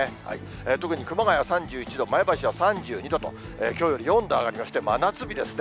特に熊谷３１度、前橋は３２度と、きょうより４度上がりまして、真夏日ですね。